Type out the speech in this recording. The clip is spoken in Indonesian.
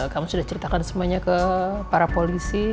kami sudah ceritakan semuanya ke para polisi